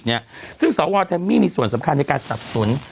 สิ่งเนี่ยซึ่งสาววาร์เทมมี่มีส่วนสำคัญในการสับศุลย์